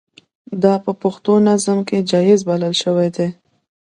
دا په پښتو نظم کې جائز بلل شوي دي.